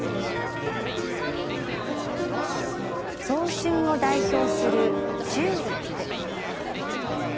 早春を代表するチューリップ。